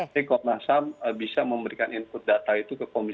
jadi komnas ham bisa memberikan input data itu ke komisi satu dpr